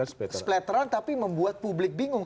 splateran tapi membuat publik bingung